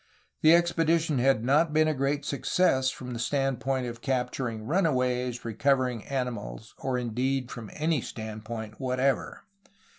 The expedition had not been a great success from the standpoint of capturing runaways, recovering animals, or indeed from any stand point whatever.